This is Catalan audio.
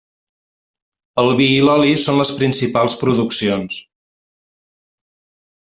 El vi i l'oli són les principals produccions.